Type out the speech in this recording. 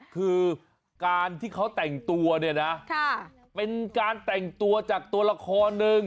คือการที่เขาแต่งตัวเนี่ยนะเป็นการแต่งตัวจากตัวละครหนึ่ง